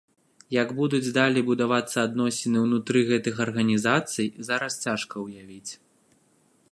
Як будуць далей будавацца адносіны ўнутры гэтых арганізацый, зараз цяжка ўявіць.